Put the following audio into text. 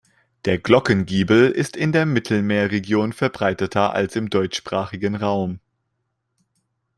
Der Glockengiebel ist in der Mittelmeerregion verbreiteter als im deutschsprachigen Raum.